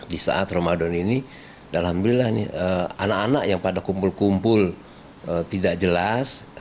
di saat ramadan ini alhamdulillah anak anak yang pada kumpul kumpul tidak jelas